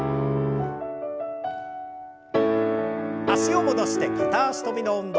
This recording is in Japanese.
脚を戻して片脚跳びの運動。